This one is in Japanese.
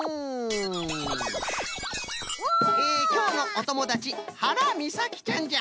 きょうのおともだちはらみさきちゃんじゃ。